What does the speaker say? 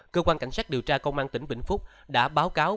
cơ quan cảnh sát điều tra công an tỉnh vĩnh phúc đã báo cáo